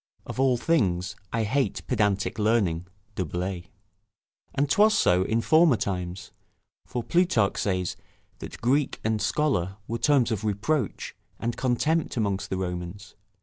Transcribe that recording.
["Of all things I hate pedantic learning." Du Bellay] And 'twas so in former times; for Plutarch says that Greek and Scholar were terms of reproach and contempt amongst the Romans.